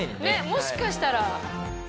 もしかしたら。